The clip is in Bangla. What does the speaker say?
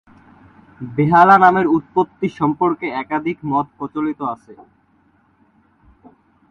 বেহালা নামের উৎপত্তি সম্পর্কে একাধিক মত প্রচলিত আছে।